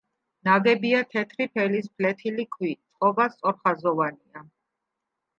ნაგებია თეთრი ფერის ფლეთილი ქვით, წყობა სწორხაზოვანია.